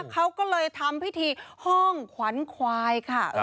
เขาก็เลยทำพิธีห้องขวัญควายค่ะ